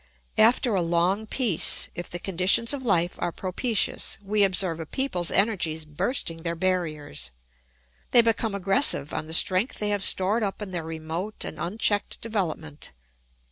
After a long peace, if the conditions of life are propitious, we observe a people's energies bursting their barriers; they become aggressive on the strength they have stored up in their remote and unchecked development.